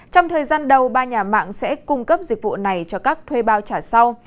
trong thời gian đầu ba nhà mạng sẽ cung cấp dịch vụ này cho các thuê bao trả sau